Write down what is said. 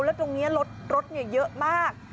แล้วตรงนี้รถเยอะมาก